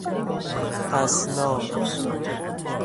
اثنا